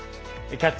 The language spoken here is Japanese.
「キャッチ！